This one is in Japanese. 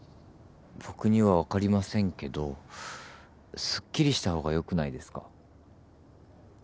僕には分かりませんけどすっきりした方がよくないですか。